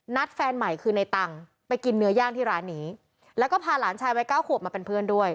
แฟนใหม่คือในตังค์ไปกินเนื้อย่างที่ร้านนี้แล้วก็พาหลานชายวัยเก้าขวบมาเป็นเพื่อนด้วย